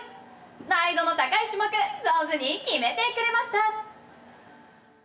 難易度の高い種目上手に決めてくれました！